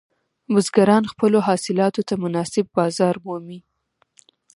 بزګران خپلو حاصلاتو ته مناسب بازار مومي.